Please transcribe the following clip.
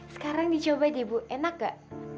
sekarang dicoba deh bu enak gak